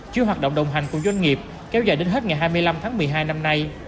chuyên hoạt động đồng hành cùng doanh nghiệp kéo dài đến hết ngày hai mươi năm tháng một mươi hai năm nay